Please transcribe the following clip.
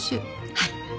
はい。